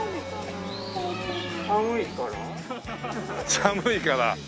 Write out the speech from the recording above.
寒いから。